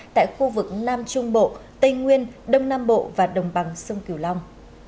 tại khu vực nam trung bộ tây nguyên đông nam bộ và đồng bằng sông kiều long